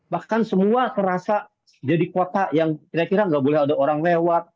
bahkan semua terasa jadi kota yang kira kira nggak boleh ada orang lewat